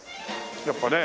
やっぱね。